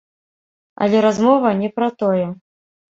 Але размова не пра тое.